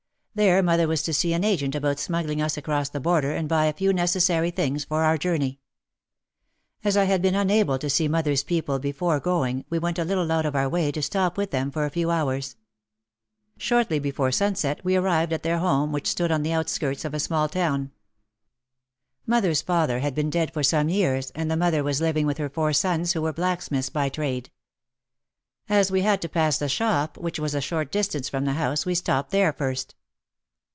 There mother was to see an agent about smuggling us across the border and buy a few necessary things for our journey. As I had been unable to see mother's people before going, we went a little out of our way to stop with them for a few hours. Shortly before sunset we arrived at their home which stood on the outskirt of a small town. Mother's father had been dead for some years and the mother was living with her four sons who were blacksmiths by trade. As we had to pass the shop which was a short distance from the house we stopped there first.